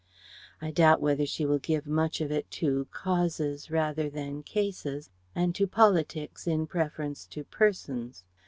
I doubt whether she will give much of it to "causes" rather than cases and to politics in preference to persons.